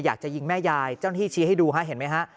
อยากจะยิงแม่ยายเจ้าหน้าที่ชี้ให้ดูฮะเห็นไหมฮะ